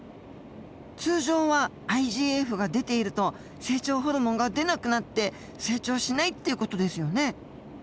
通常はＩＧＦが出ていると成長ホルモンが出なくなって成長しないっていう事ですよね。